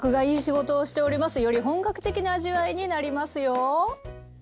より本格的な味わいになりますよ。